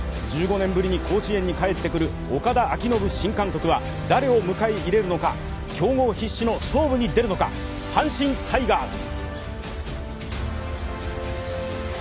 １５年ぶりに甲子園に帰ってくる岡田彰布新監督は誰を迎え入れるのか競合必至の勝負に出るのか阪神タイガース。